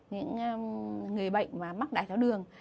những người bệnh mà mắc đáy tháo đường